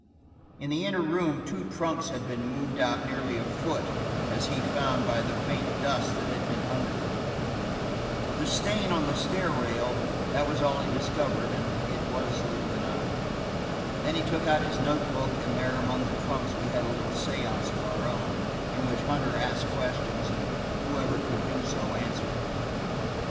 In the inner room two trunks had been moved out nearly a foot, as he found by the faint dust that had been under them. With the stain on the stair rail, that was all he discovered, and it was little enough. Then he took out his note took and there among the trunks we had a little seance of our own, in which Hunter asked questions, and whoever could do so answered them.